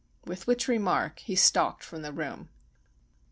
With which remark he stalked from the room.